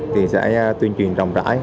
thì sẽ tuyên truyền rộng rãi